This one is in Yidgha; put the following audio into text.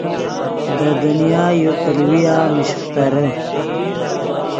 دے دنیا یو تیلویا مہ شیخترے